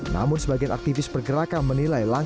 namun sebagian aktivis pergerakan menilai